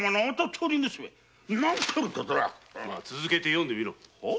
続けて読んでみろ！